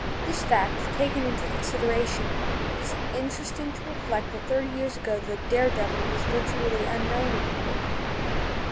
This fact taken into consideration, it is interesting to reflect that thirty years ago the "Dare Devil" was virtually unknown in England.